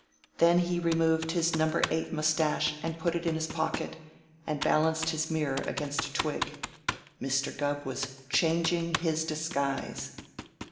Then he removed his Number Eight mustache and put it in his pocket, and balanced his mirror against a twig. Mr. Gubb was changing his disguise.